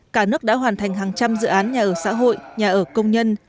cả nước đã hoàn thành hàng trăm dự án nhà ở xã hội nhà ở công nhân